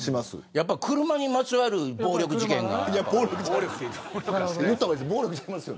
やっぱり車にまつわる暴力事件が。